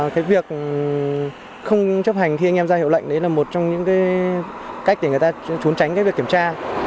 cái việc không chấp hành khi anh em ra hiệu lệnh đấy là một trong những cái cách để người ta trốn tránh cái việc kiểm tra